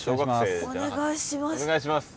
お願いします。